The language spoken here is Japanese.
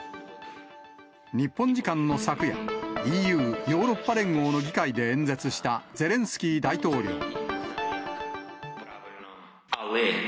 日本時間の昨夜、ＥＵ・ヨーロッパ連合の議会で演説したゼレンスキー大統領。